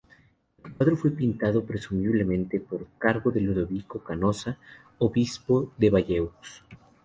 El cuadro fue pintado, presumiblemente, por encargo de Ludovico Canossa, obispo de Bayeux.